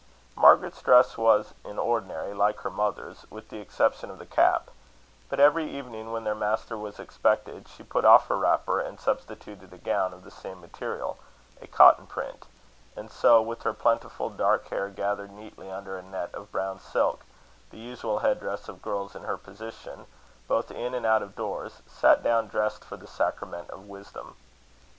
Margaret's dress was, in ordinary, like her mother's, with the exception of the cap; but, every evening, when their master was expected, she put off her wrapper, and substituted a gown of the same material, a cotton print; and so, with her plentiful dark hair gathered neatly under a net of brown silk, the usual head dress of girls in her position, both in and out of doors, sat down dressed for the sacrament of wisdom.